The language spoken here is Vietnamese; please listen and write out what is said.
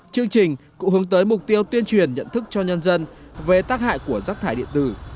chương trình cũng hướng tới mục tiêu tuyên truyền nhận thức cho nhân dân về tác hại của rác thải điện tử